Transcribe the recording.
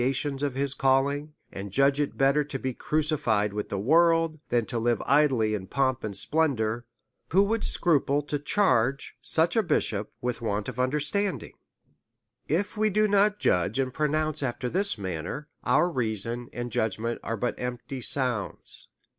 345 gallons of his calling", and judge it better to be cruci fied to the world, than to live idly in pomp and splendour, who would scruple to charge such a bishop with want of understanding ? If we do not judge and pronounce after this manner, our reason and judgment are but empty sounds.